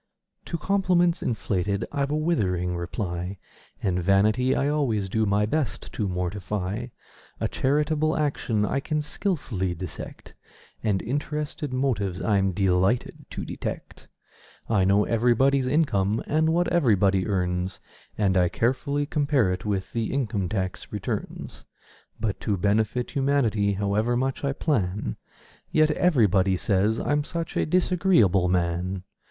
To compliments inflated I've a withering reply; And vanity I always do my best to mortify; A charitable action I can skilfully dissect: And interested motives I'm delighted to detect. I know everybody's income and what everybody earns, And I carefully compare it with the income tax returns; But to benefit humanity, however much I plan, Yet everybody says I'm such a disagreeable man!